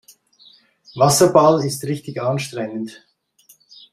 Wasserball ist richtig anstrengend.